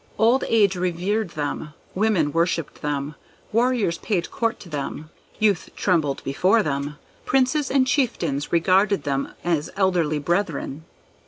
Old age revered them, women worshipped them, warriors paid court to them, youth trembled before them, princes and chieftains regarded them as elder brethren.